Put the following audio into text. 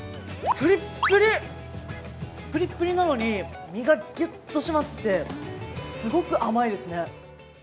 プリップリなのに身がギュッと締まっててすごく甘いですね。